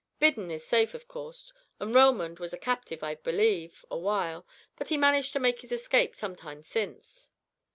"Biddon is safe, of course; and Relmond was a captive, I believe, awhile, but he managed to make his escape some time since."